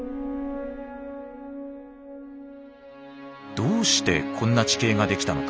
どうしてこんな地形ができたのか？